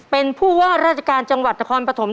เป็นผู้ว่าราชการจังหวัดนครปฐม